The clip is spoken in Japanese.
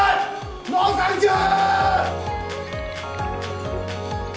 ノーサンキュー！